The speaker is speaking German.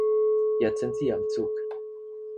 Jetzt sind Sie am Zug.